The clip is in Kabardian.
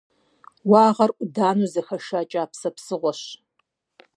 Уагъэр Ӏуданэу зэхэша кӀапсэ псыгъуэщ.